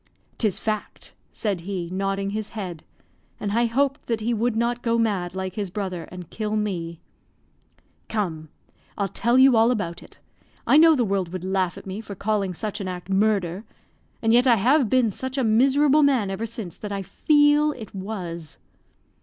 "'Tis fact," said he, nodding his head; and I hoped that he would not go mad, like his brother, and kill me. "Come, I'll tell you all about it; I know the world would laugh at me for calling such an act murder; and yet I have been such a miserable man ever since, that I feel it was.